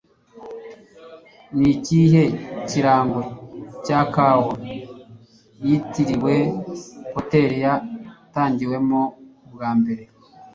Ni ikihe kirango cya Kawa yitiriwe Hoteri Yatangiwemo bwa mbere